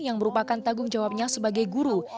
yang merupakan tanggung jawabnya sebagai guru